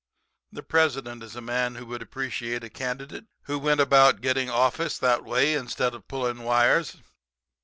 The President is a man who would appreciate a candidate who went about getting office that way instead of pulling wires.'